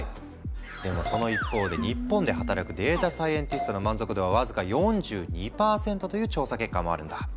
でもその一方で日本で働くデータサイエンティストの満足度は僅か４２％という調査結果もあるんだ。